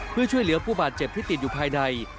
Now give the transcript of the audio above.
เพื่อช่วยเหลือผู้บาดเจ็บที่ติดอยู่ภายใน